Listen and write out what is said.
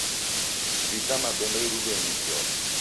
W'ika mabemba iruwenyi ghiome